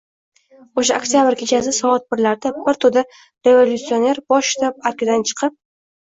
O’sha Oktyabr kechasi soat birlarda bir to‘da revolyutsioner bosh shtab arkidan chiqib...